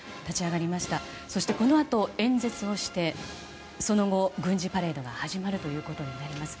そして、このあと演説をしてその後、軍事パレードが始まるということになります。